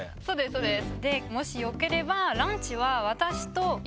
そうです。